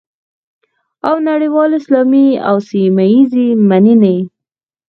او نړیوالې، اسلامي او سیمه ییزې مننې